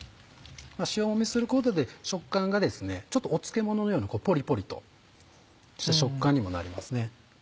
塩もみすることで食感が漬物のようなポリポリとした食感にもなりますね。